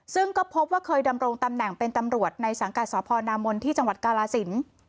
ซึ่งก็พบว่าเคยดำรงตำแหน่งเป็นตำรวจในสังกัดสพนามนที่จังหวัดกาลสิน